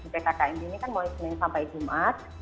di ckkmd ini kan mulai semenit sampai jumat